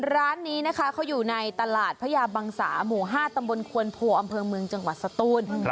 ร้านนี้นะคะเขาอยู่ในตลาดพระยาบังสาหมู่๕ตำบลควนโพอำเภอเมืองจังหวัดสตูน